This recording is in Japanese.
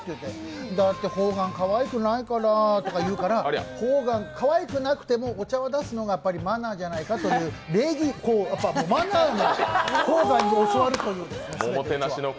「だってホーガン、かわいくないから」って言うからホーガンかわいくなくてもお茶を出すのはマナーじゃないかって礼儀、マナーをホーガンに教わるという。